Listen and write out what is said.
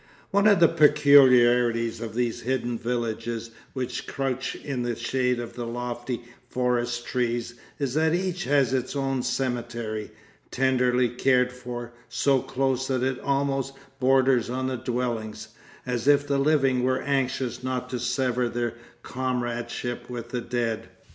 One of the peculiarities of these hidden villages which crouch in the shade of the lofty forest trees is that each has its own cemetery, tenderly cared for, so close that it almost borders on the dwellings, as if the living were anxious not to sever their comradeship with the dead.